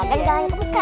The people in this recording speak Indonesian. kembali jangan ke buka